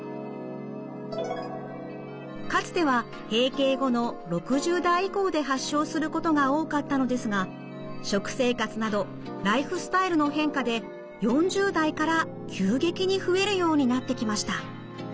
かつては閉経後の６０代以降で発症することが多かったのですが食生活などライフスタイルの変化で４０代から急激に増えるようになってきました。